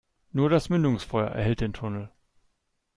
Nur das Mündungsfeuer erhellt den Tunnel.